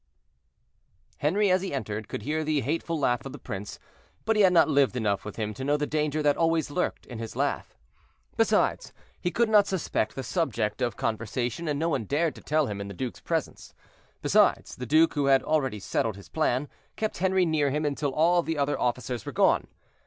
Henri, as he entered, could hear the hateful laugh of the prince, but he had not lived enough with him to know the danger that always lurked in his laugh. Besides, he could not suspect the subject of conversation, and no one dared to tell him in the duke's presence. Besides, the duke, who had already settled his plan, kept Henri near him until all the other officers were gone.